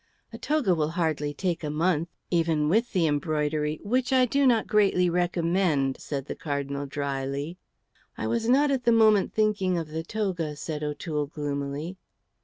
"A toga will hardly take a month, even with the embroidery, which I do not greatly recommend," said the Cardinal, drily. "I was not at the moment thinking of the toga," said O'Toole, gloomily.